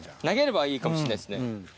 投げればいいかもしんないですね。